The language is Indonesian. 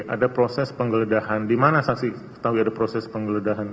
ada proses pengledahan dimana saksi tahu ada proses pengledahan